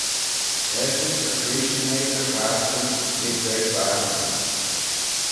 Eshyn ta cleashyn echey dy chlashtyn, lhig da clashtyn.